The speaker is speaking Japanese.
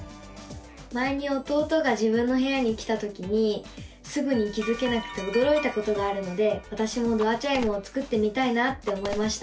前に弟が自分の部屋に来たときにすぐに気付けなくておどろいたことがあるのでわたしもドアチャイムを作ってみたいなって思いました！